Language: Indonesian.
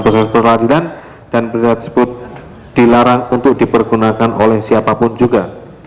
proses peradilan dan berita tersebut dilarang untuk dipergunakan oleh siapapun juga